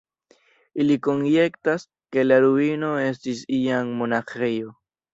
Ili konjektas, ke la ruino estis iam monaĥejo.